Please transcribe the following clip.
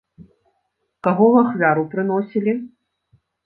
Каго ў ахвяру прыносілі?